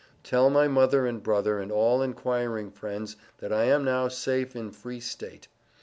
Tell my Mother and Brother and all enquiring friends that I am now safe in free state.